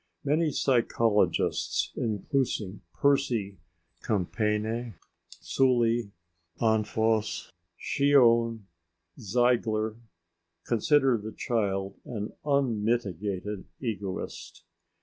Many psychologists, including Percy, Compayné, Sully, Anfosse, Schion, Ziegler, consider the child an unmitigated egoist.